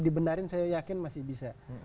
dibenarin saya yakin masih bisa